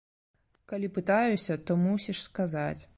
Калі пытаюся, то мусіш сказаць.